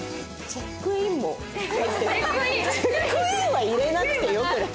チェックインは入れなくてよくない？